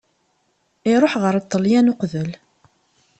Iruḥ ɣer Ṭṭelyan uqbel.